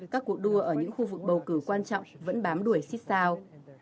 các cuộc đua ở những khu vực bầu cử quan trọng vẫn bám đuổi siết sao